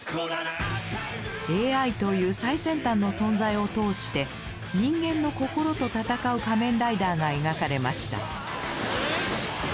ＡＩという最先端の存在を通して人間の心と戦う仮面ライダーが描かれました。